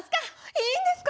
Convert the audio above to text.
いいんですか？